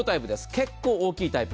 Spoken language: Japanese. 結構、大きいタイプ。